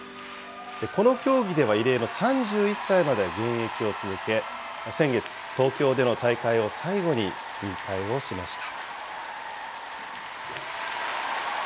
この競技では異例の３１歳まで現役を続け、先月、東京での大会を最後に、引退をしました。